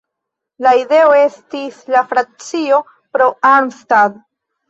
La ideo estis de la frakcio "Pro Arnstadt".